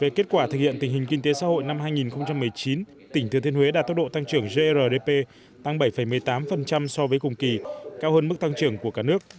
về kết quả thực hiện tình hình kinh tế xã hội năm hai nghìn một mươi chín tỉnh thừa thiên huế đạt tốc độ tăng trưởng grdp tăng bảy một mươi tám so với cùng kỳ cao hơn mức tăng trưởng của cả nước